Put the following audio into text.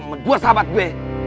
membuat sahabat gue